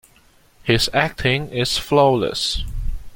His acting is flawless.